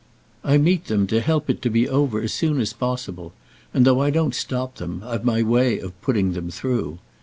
I meet them to help it to be over as soon as possible, and though I don't stop them I've my way of putting them through.